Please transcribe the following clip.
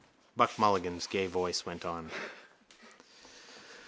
Buck Mulligan's gay voice went on.